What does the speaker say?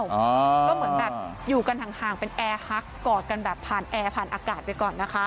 ก็เหมือนแบบอยู่กันห่างเป็นแอร์ฮักกอดกันแบบผ่านแอร์ผ่านอากาศไปก่อนนะคะ